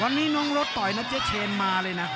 ตอนนี้น้องรถต่อยนะเจ๊เชนมาเลยนะ